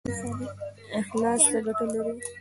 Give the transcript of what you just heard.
اخلاص څه ګټه لري؟